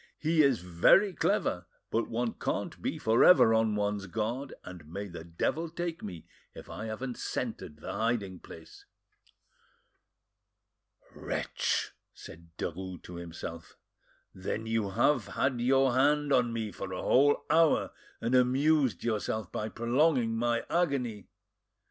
He is very clever, but one can't be for ever on one's guard, and may the devil take me if I haven't scented the hiding place." "Wretch!" said Derues to himself, "then you have had your hand on me for a whole hour, and amused yourself by prolonging my agony!